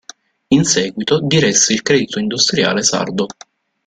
In seguito diresse il Credito Industriale Sardo.